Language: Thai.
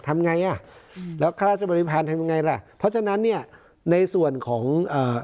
ทำไงอ่ะอืมแล้วข้าราชบริพาณทำยังไงล่ะเพราะฉะนั้นเนี้ยในส่วนของอ่า